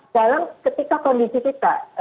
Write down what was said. dalam ketika kondisi kita